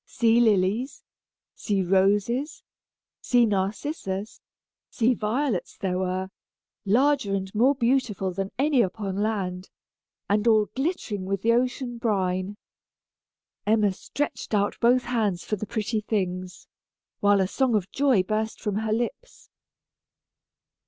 Sea lilies, sea roses, sea narcissus, sea violets there were, larger and more beautiful than any upon land, and all glittering with the ocean brine. Emma stretched out both hands for the pretty things, while a song of joy burst from her lips.